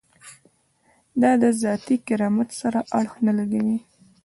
دا د ذاتي کرامت سره اړخ نه لګوي.